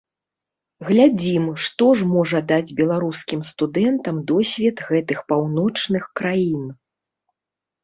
Глядзім, што ж можа даць беларускім студэнтам досвед гэтых паўночных краін.